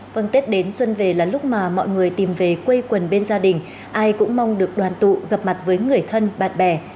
vâng tết đến xuân về là lúc mà mọi người tìm về quê quần bên gia đình ai cũng mong được đoàn tụ gặp mặt với người thân bạn bè